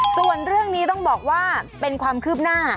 ส่วนเรื่องนี้ต้องบอกว่าเป็นความคืบหน้า